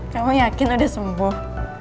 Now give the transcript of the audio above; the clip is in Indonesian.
kamu yakin udah sembuh